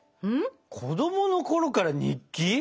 子どものころから日記？